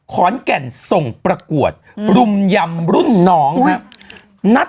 ขอนแก่นส่งประกวดรุมยำรุ่นน้องครับ